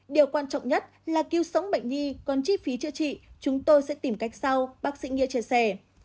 điều quan trọng nhất là cứu sống bệnh nhi còn chi phí chữa trị chúng tôi sẽ tìm cách sau bác sĩ nghĩa chia sẻ